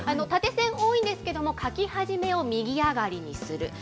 縦線多いんですけれども、書き始めを右上がりにする。